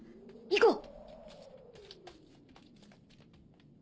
行こう！